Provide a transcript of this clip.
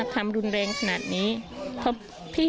กังฟูเปล่าใหญ่มา